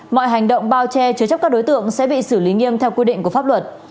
mọi hành động bao che chứa chấp các đối tượng sẽ bị xử lý nghiêm theo quy định của pháp luật